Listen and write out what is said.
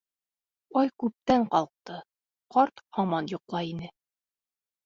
Ай күптән ҡалҡты, ҡарт һаман йоҡлай ине.